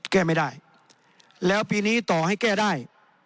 แก้ไม่ได้แล้วปีนี้ต่อให้แก้ได้